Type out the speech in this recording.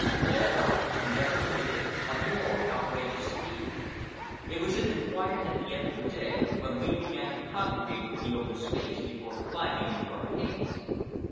Red Eye never committed a more outrageous deed. It was in the quiet at the end of the day, when we began to congregate in the open space before climbing into our caves.